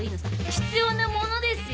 必要なものですよ。